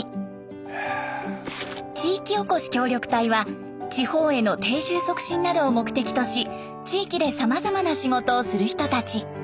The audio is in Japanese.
地域おこし協力隊は地方への定住促進などを目的とし地域でさまざまな仕事をする人たち。